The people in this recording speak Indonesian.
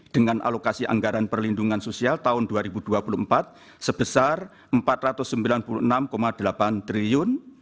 dengan alokasi anggaran perlindungan sosial tahun dua ribu dua puluh empat sebesar rp empat ratus sembilan puluh enam delapan triliun